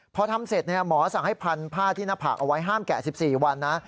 พอทำเสร็จหมอสั่งให้พันผ้าที่หน้าผากเอาไว้ห้ามแกะ๑๔วันนะ